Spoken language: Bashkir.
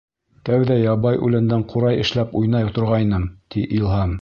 — Тәүҙә ябай үләндән ҡурай эшләп уйнай торғайным, — ти Илһам.